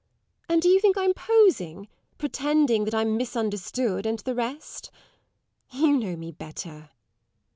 And do you think I'm posing, pretending that I'm misunderstood, and the rest? You know me better.